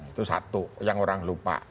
itu satu yang orang lupa